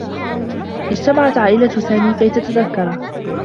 اجتمعت عائلة سامي كي تتذكّره.